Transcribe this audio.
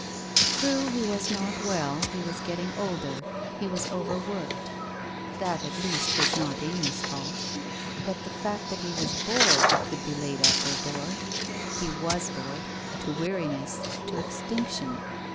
True, he was not well, he was getting older, he was over worked. That at least was not Amy's fault. But the fact that he was bored could be laid at her door. He was bored, to weariness, to extinction.